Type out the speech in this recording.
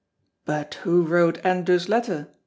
"But who wrote Andrew's letter?"